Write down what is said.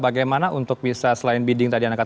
bagaimana untuk bisa selain bidding